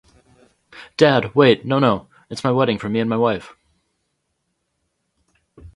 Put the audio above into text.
Dad, wait, no, no! It's my wedding for me and my wife.